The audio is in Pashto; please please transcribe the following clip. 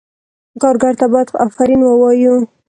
کارګر ته باید آفرین ووایو.